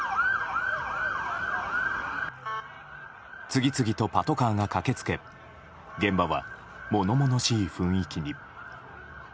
次々とパトカーが駆け付け現場は物々しい雰囲気に。